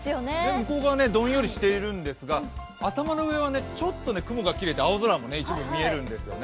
向こう側、どんよりしているんですが、頭の上はちょっと雲が切れて青空も一部見えるんですよね